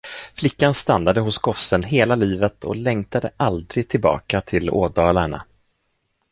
Flickan stannade hos gossen hela livet och längtade aldrig tillbaka till ådalarna.